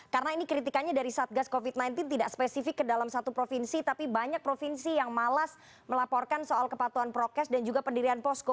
karena ini kritikannya dari satgas covid sembilan belas tidak spesifik ke dalam satu provinsi tapi banyak provinsi yang malas melaporkan soal kepatuhan prokes dan juga pendirian posko